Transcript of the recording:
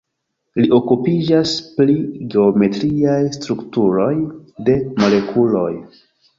Li okupiĝas pri geometriaj strukturoj de molekuloj.